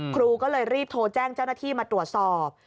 ครูก็เลยรีบโทรแจ้งเจ้าหน้าที่มาตรวจสอบ